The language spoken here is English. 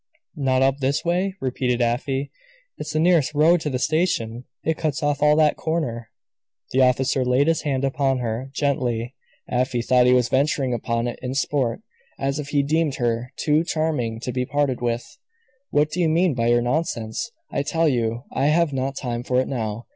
"Not up this way?" repeated Afy. "It's the nearest road to the station. It cuts off all that corner." The officer laid his hand upon her, gently. Afy thought he was venturing upon it in sport as if he deemed her too charming to be parted with. "What do you mean by your nonsense? I tell you I have not time for it now.